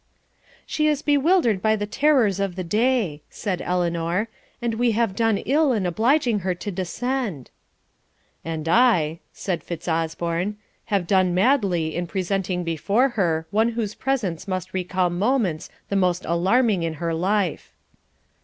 'She is bewildered by the terrors of the day,' said Eleanor;' and we have done ill in obliging her to descend.' 'And I,'said Fitzosborne, 'have done madly in presenting before her one whose presence must recall moments the most alarming in her life.'